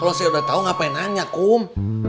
kalau saya udah tau ngapain nanya kum